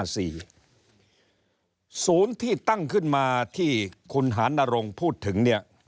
ศูนย์ที่ตั้งขึ้นมาที่คุณหานรงค์พูดถึงเนี่ย